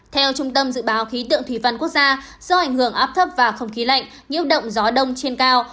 theo trung tâm dự báo khí tượng thủy văn quốc gia do ảnh hưởng áp thấp và không khí lạnh nhiễu động gió đông trên cao